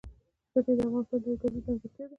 ښتې د افغانستان یوه طبیعي ځانګړتیا ده.